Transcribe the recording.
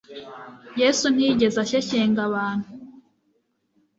Yesu ntiyigeze ashyeshyenga abantu.